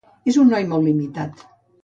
És un noi molt limitat.